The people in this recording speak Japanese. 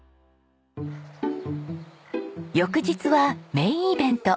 翌日はメインイベント。